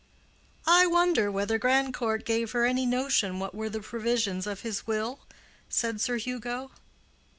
"I wonder whether Grandcourt gave her any notion what were the provisions of his will?" said Sir Hugo.